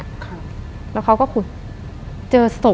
ทำไมเขาถึงจะมาอยู่ที่นั่น